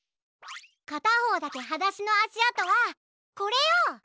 かたほうだけはだしのあしあとはこれよ！